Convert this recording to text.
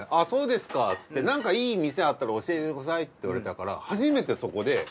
そうですかつってなんかいい店あったら教えてくださいって言われたから初めてそこで。